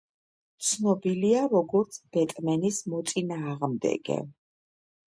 ცნობილია როგორც ბეტმენის მოწინააღმდეგე.